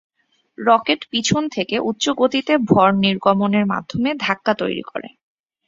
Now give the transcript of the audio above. Rocket পিছন থেকে উচ্চ গতিতে ভর নির্গমনের মাধ্যমে ধাক্কা তৈরি করে।